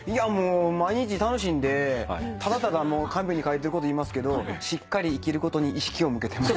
毎日楽しいんでただただもうカンペに書いてること言いますけどしっかり生きることに意識を向けてます。